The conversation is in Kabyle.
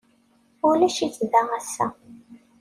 Ulac-itt da ass-a.